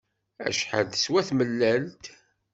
Acḥal teswa tmellalt?